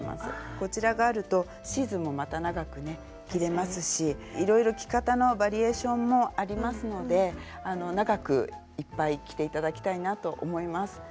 こちらがあるとシーズンもまた長くね着れますしいろいろ着方のバリエーションもありますので長くいっぱい着て頂きたいなと思います。